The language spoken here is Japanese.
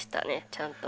ちゃんと。